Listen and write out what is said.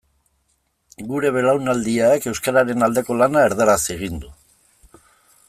Gure belaunaldiak euskararen aldeko lana erdaraz egin du.